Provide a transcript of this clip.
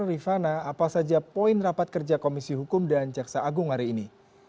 rifana apa saja poin rapat kerja komisi hukum dan jaksa agung hari ini